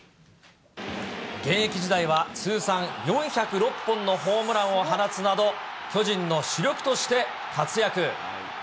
現役時代は通算４０６本のホームランを放つなど、巨人の主力として活躍。